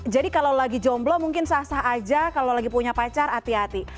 jadi kalau lagi jomblo mungkin sah sah aja kalau lagi punya pacar hati hati